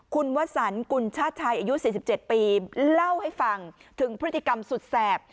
คุณวสันกุญชาติชัยอายุ๔๗ปีเล่าให้ฟังถึงพฤติกรรมสุดแสบ